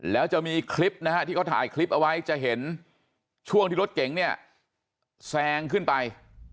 แล้วจะมีคลิปนะฮะที่เขาถ่ายคลิปเอาไว้จะเห็นช่วงที่รถเก๋งเนี่ยแซงขึ้นไป